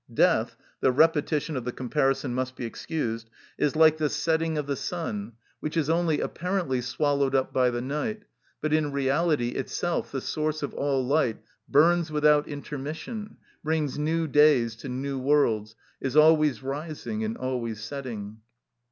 Death (the repetition of the comparison must be excused) is like the setting of the sun, which is only apparently swallowed up by the night, but in reality, itself the source of all light, burns without intermission, brings new days to new worlds, is always rising and always setting.